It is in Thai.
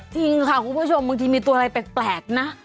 จริงค่ะคุณผู้ชมบางทีมีตัวอะไรแปลกนะ